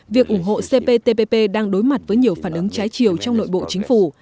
việc ủng hộ cptpp đang đối mặt với nhiều phản ứng trái chiều trong nội bộ chính phủ